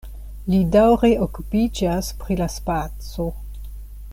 Li daŭre okupiĝas pri la spaco.